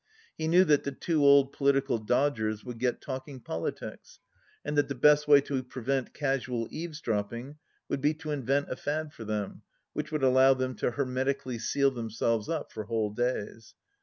He knew that the two old political dodgers would get talking politics, and that the best way to prevent casual eavesdropping would be to invent a fad for them which would allow them to hermetically seal themselves up for whole days.